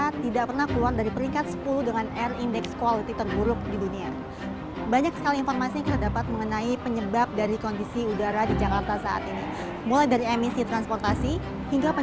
adalah faktor terbesar dari penyebab udara di jakarta saat ini